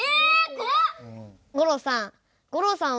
吾郎さん。